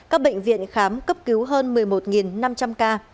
các bệnh viện khám cấp cứu hơn một mươi một năm trăm linh ca